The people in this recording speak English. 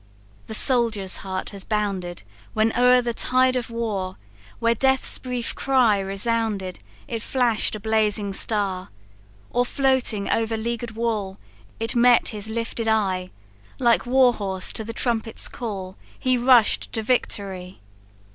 "The soldier's heart has bounded When o'er the tide of war; Where death's brief cry resounded, It flash'd a blazing star. Or floating over leaguer'd wall, It met his lifted eye; Like war horse to the trumpet's call, He rush'd to victory!